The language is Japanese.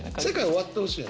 終わってほしい。